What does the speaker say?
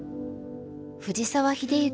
藤沢秀行